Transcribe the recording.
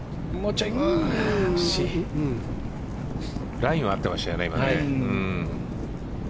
ラインは合ってましたね。